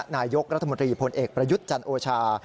นายกรัฐมนตรีพลเอกประยุทธ์จันโอชา